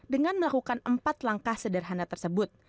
dengan melakukan empat langkah sederhana tersebut